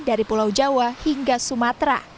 dari pulau jawa hingga sumatera